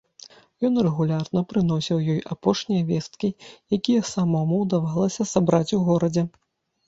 Ён рэгулярна прыносіў ёй апошнія весткі, якія самому ўдавалася сабраць у горадзе.